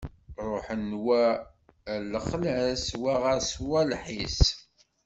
Ṛuḥen, wa ɣer lexla-s, wa ɣer swaleḥ-is.